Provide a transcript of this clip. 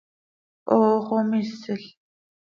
¡Hoox oo misil!